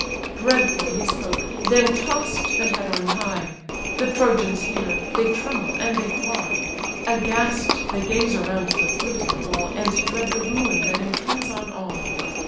Dreadful he spoke, then toss'd the head on high; The Trojans hear, they tremble, and they fly: Aghast they gaze around the fleet and wall, And dread the ruin that impends on all.